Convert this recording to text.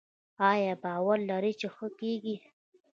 ایا باور لرئ چې ښه کیږئ؟